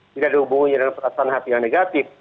tidak ada hubungannya dengan perasaan hati yang negatif